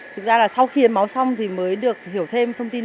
thực ra là sau khi hiến máu xong thì mới được hiểu thêm thông tin